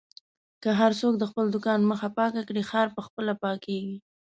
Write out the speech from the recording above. که هر څوک د خپل دوکان مخه پاکه کړي، ښار په خپله پاکېږي.